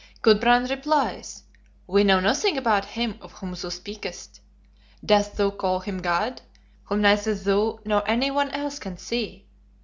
"Gudbrand replies, 'We know nothing about him of whom thou speakest. Dost thou call him God, whom neither thou nor any one else can see?